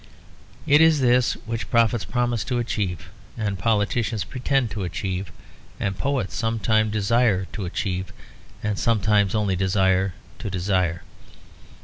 It is this which prophets promise to achieve, and politicians pretend to achieve, and poets sometimes desire to achieve, and sometimes only desire to desire.